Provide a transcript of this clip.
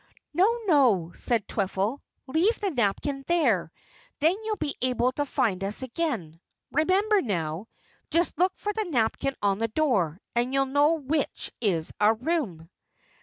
"No, no," said Twiffle. "Leave the napkin there. Then you will be able to find us again. Remember now just look for the napkin on the door and you'll know which is our room."